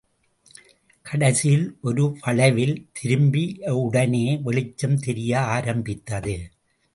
கடைசியில், ஒரு வளைவில் திரும்பிய உடனே வெளிச்சம் தெரிய ஆரம்பித்தது.